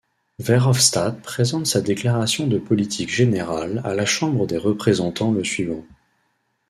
Verhofstadt présente sa déclaration de politique générale à la Chambre des représentants le suivant.